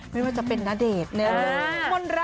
ไม่ว่าจะเป็นณเดชน์